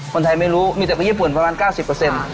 คนไทยไม่รู้มีแต่คนญี่ปุ่นประมาณเก้าสิบเปอร์เซ็นต์